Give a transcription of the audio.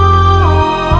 rakyat yang ke wild